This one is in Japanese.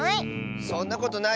そんなことない！